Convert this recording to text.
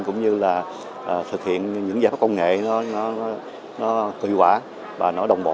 cũng như là thực hiện những giải pháp công nghệ nó tùy quả